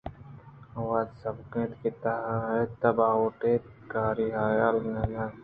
آوت سُہبیگین اِنت کہ تحت ءِ باہوٹ اِنت کاری ءُحالی نہ اِنت